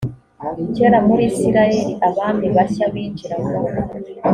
kera muri isirayeli abami bashya binjiraga